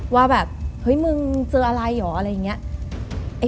ว่าแบบเฮ้ยมึงเจออะไรเหรออะไรอย่างนี้